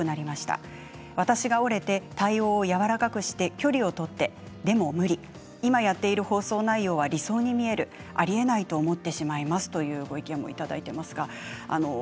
私が倒れて私が折れて対応をやわらかくして距離を取っても無理今やっている放送内容は理想に思えるありえないと思ってしまうという意見も届いています。